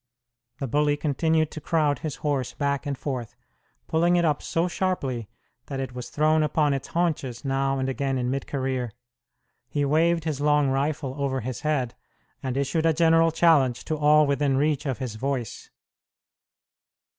The bully continued to crowd his horse back and forth, pulling it up so sharply that it was thrown upon its haunches now and again in mid career. He waved his long rifle over his head, and issued a general challenge to all within reach of his voice.